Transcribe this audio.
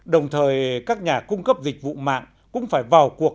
đồng thời các nhà cung cấp dịch vụ mạng cũng phải vào cuộc